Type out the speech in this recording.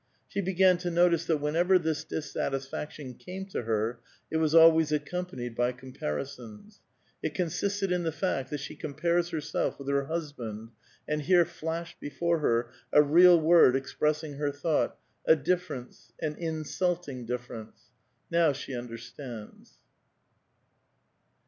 She l)egan to notice that whenever this dissatisfaction came to her, it was always accompanied by comparisons. It con sisted in the fact that she compares herself with her hus band, and here flaslied before her a real word expressing her thouglit, *' a difference, an insulting difference. " Now she understands.